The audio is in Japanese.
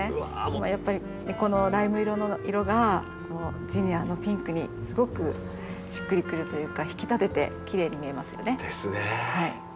やっぱりこのライム色がジニアのピンクにすごくしっくりくるというか引き立ててきれいに見えますよね。